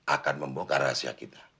akan membuka rahasia kita